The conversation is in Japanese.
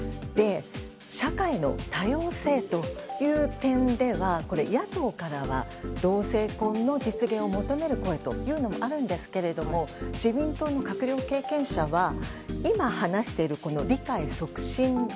社会の多様性という点では野党からは同性婚の実現を求める声もあるんですけれども自民党の閣僚経験者は今、話している理解促進法